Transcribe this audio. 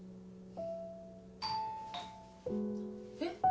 えっ？